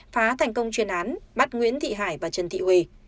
phá thành công chuyên án bắt nguyễn thị hải và trần thị huy